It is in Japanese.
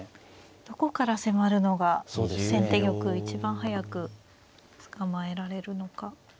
どこから迫るのが先手玉一番速く捕まえられるのか。